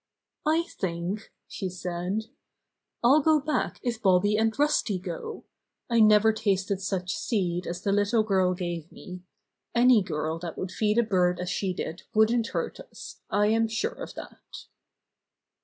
"I think," she said, "I'll go back if Bobby and Rusty go. I never tasted such seed as the little girl gave me. Any girl 124 Bobby Gray Squirrel's Adventurea that would feed a bird as she did wouldn't hurt us. I'm sure of that."